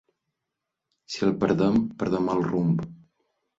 Si el perdem perdem el rumb.